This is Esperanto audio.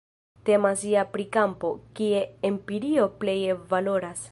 Temas ja pri kampo, kie empirio pleje valoras.